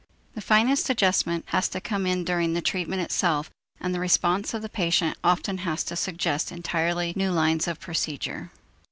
The finest adjustment has to come in during the treatment itself and the response of the patient often has to suggest entirely new lines of procedure.